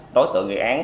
đối tượng gây án khả năng